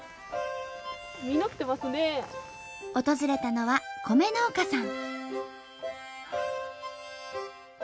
訪れたのは米農家さん。